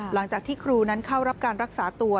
หลังจากที่ครูนั้นเข้ารับการรักษาตัว